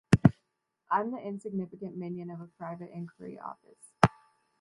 I'm the insignificant minion of a Private Inquiry Office.